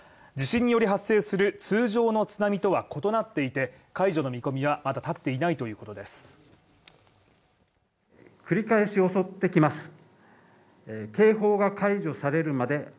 地震により発生する通常の津波とは異なっていて、解除の見込みは立っていないということです。